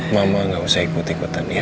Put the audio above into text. mama gak usah ikut ikutan ya